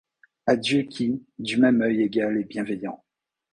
À Dieu qui du même oeil égal et bienveillant